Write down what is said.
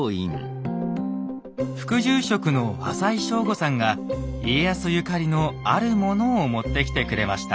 副住職の浅井省吾さんが家康ゆかりのあるものを持ってきてくれました。